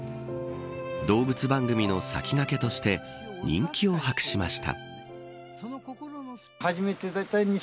動物番組の先駆けとして人気を博しました。